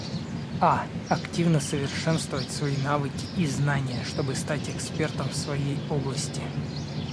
А - Активно совершенствовать свои навыки и знания, чтобы стать экспертом в своей области.